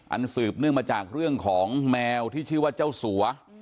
สืบเนื่องมาจากเรื่องของแมวที่ชื่อว่าเจ้าสัว